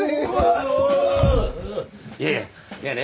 いやいやいやね